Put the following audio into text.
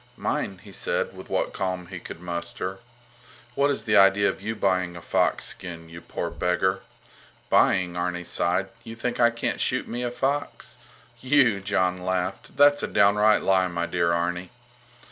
Mine, he said, with what calm he could muster. What is the idea of you buying a fox skin, you poor beggar? Buying? Arni sighed. You think I can't shoot me a fox? You! Jon laughed. That's a downright lie, my dear Arni.